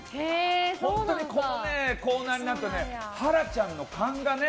このコーナーになるとハラちゃんの勘がね。